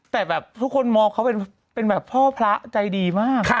แต่แบบทุกคนมองเขาเป็นแบบพ่อพระใจดีมาก